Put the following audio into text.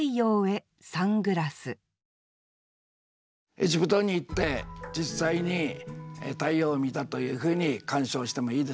エジプトに行って実際に太陽を見たというふうに鑑賞してもいいでしょう。